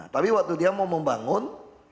tapi waktu dia mau membangun